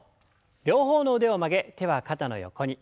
両方の腕を曲げ手は肩の横に。